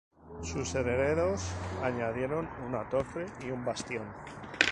Sus herederos añadieron una torre y un bastión.